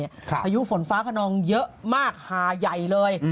พายุฝนฟ้าขนองเยอะมากหาใหญ่เลย